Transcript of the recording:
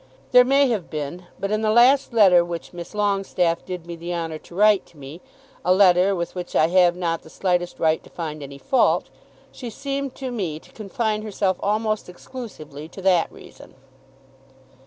"There may have been; but in the last letter which Miss Longestaffe did me the honour to write to me, a letter with which I have not the slightest right to find any fault, she seemed to me to confine herself almost exclusively to that reason."